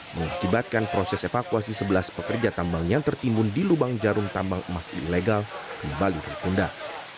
mengakibatkan proses evakuasi sebelas pekerja tambang yang tertimbun di lubang jarum tambang emas ilegal kembali bertunda